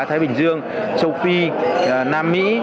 thái bình dương châu phi nam mỹ